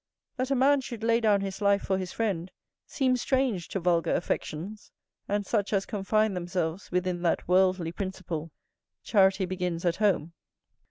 That a man should lay down his life for his friend seems strange to vulgar affections and such as confine themselves within that worldly principle, "Charity begins at home."